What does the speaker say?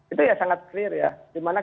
itu ya sangat clear ya dimana